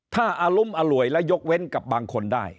ถ้าอารุมอร่วยและยกเว้นกับบางคนได้